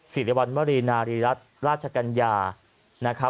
สิริวัณมรินารีรัฐราชกัญญา